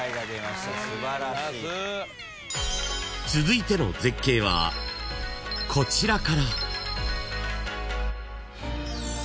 ［続いての絶景はこちらから］